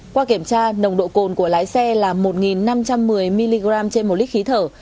qua kiểm tra nồng độ cồn của lái xe là một năm trăm một mươi mg trên một lít khí thở